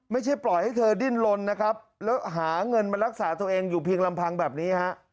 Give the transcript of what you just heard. ไม่ใช่ปล่อยให้เธอดิ้นลนนะครับแล้วหาเงินมารักษาตัวเองอยู่เพียงลำพังแบบนี้ฮะ